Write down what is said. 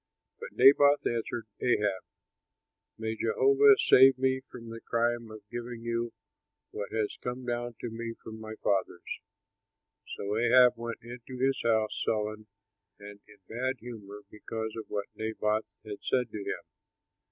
But Naboth answered Ahab, "May Jehovah save me from the crime of giving you what has come down to me from my fathers!" So Ahab went into his house sullen and in bad humor because of what Naboth had said to him.